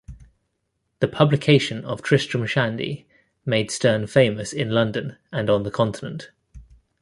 The publication of "Tristram Shandy" made Sterne famous in London and on the continent.